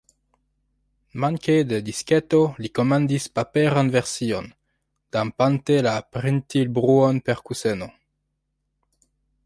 Manke de disketo, li komandis paperan version, dampante la printil-bruon per kuseno.